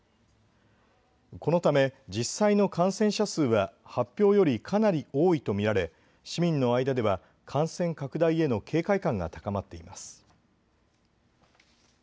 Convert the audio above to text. このため実際の感染者数は発表よりかなり多いと見られ市民の間では感染拡大への警戒感が高まっています。